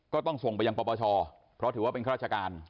ก็ต้องส่งไปยังปปชเพราะถือว่าเป็นข้าราชการ